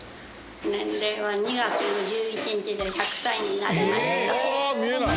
年齢は２月の１１日で１００歳になりました。